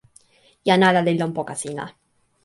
jan ala li lon poka sina.